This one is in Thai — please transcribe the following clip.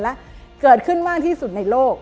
และเกิดขึ้นมากที่สุดในโลก